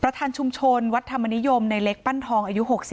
ประธานชุมชนวัฒนมนิยมในเล็กปั้นทองอายุ๖๓